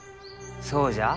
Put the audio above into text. そうじゃあ。